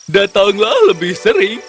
datanglah lebih sering